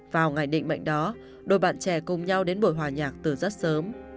vào ngày định mệnh đó đôi bạn trẻ cùng nhau đến buổi hòa nhạc từ rất sớm